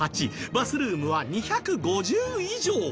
バスルームは２５０以上。